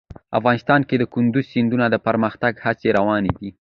افغانستان کې د کندز سیند د پرمختګ هڅې روانې دي.